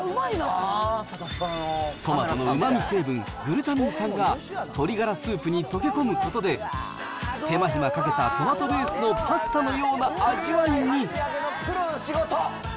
トマトのうまみ成分、グルタミン酸が、鶏がらスープに溶け込むことで、手間暇かけたトマトベースのパスタのような味わいに。